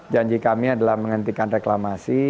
janji kami adalah menghentikan reklamasi